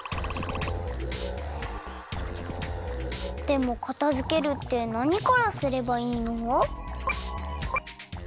でもかたづけるってなにからすればいいの？